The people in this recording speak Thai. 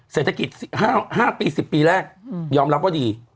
เศรษฐกิจ๕ปี๑๐ปีแรกยอมรับว่าดี